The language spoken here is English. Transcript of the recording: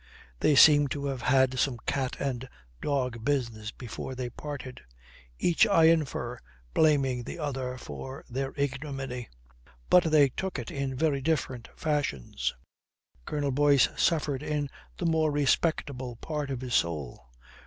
They seem to have had some cat and dog business before they parted: each, I infer, blaming the other for their ignominy. But they took it in very different fashions. Colonel Boyce suffered in the more respectable part of his soul.